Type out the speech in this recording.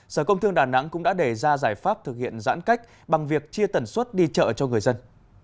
sở công thương đà nẵng cũng đã đề ra giải pháp thực hiện giãn cách bằng việc chia tần suất đi chợ cho người dân